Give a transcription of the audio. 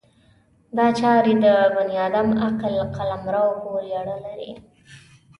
دا چارې د بني ادم عقل قلمرو پورې اړه لري.